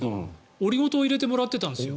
オリゴ糖を入れてもらってたんですよ。